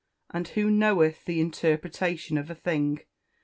and who knoweth the interpretation of a thing?